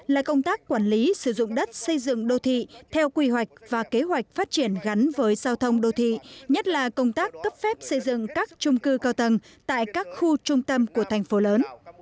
hai là công tác quản lý sử dụng đất xây dựng đô thị theo quy hoạch và kế hoạch phát triển gắn với giao thông đô thị nhất là công tác cấp phép xây dựng các trung cư cao tầng tại các khu trung tâm của thành phố lớn